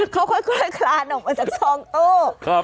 เขาค่อยคลานออกมาจากซองโต้